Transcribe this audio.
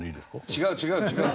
違う違う違う。